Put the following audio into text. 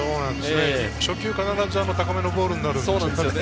初球、必ず高めのボールになるんですよね。